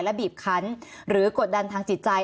บีบคันหรือกดดันทางจิตใจ